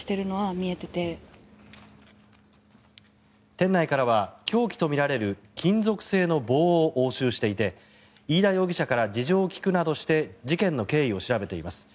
店内からは凶器とみられる金属製の棒を押収していて飯田容疑者から事情を聴くなどして事件の経緯を調べています。